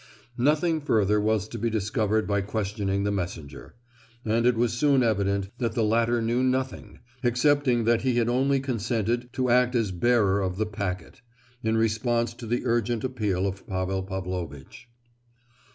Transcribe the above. Nothing further was to be discovered by questioning the messenger; and it was soon evident that the latter knew nothing, excepting that he had only consented to act as bearer of the packet, in response to the urgent appeal of Pavel Pavlovitch.